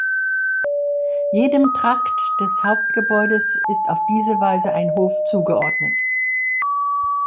Jedem Trakt des Hauptgebäudes ist auf diese Weise ein Hof zugeordnet.